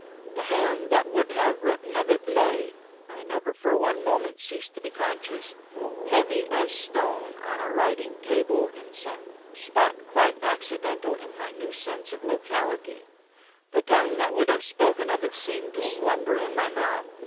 The hand that would have written of it lay (I never for one moment ceased to be conscious) heavy as stone on a writing table in some spot quite accidental in my new sense of locality; the tongue that would have spoken of it seemed to slumber in my mouth.